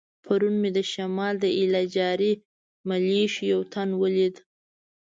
پرون مې د شمال د ایله جاري ملیشو یو تن ولید.